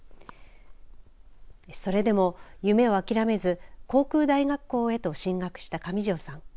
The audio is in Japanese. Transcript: それでも夢を諦めず航空大学校へと進学した上條さん。